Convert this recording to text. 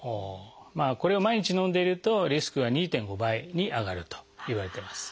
これを毎日飲んでいるとリスクが２．５倍に上がるといわれています。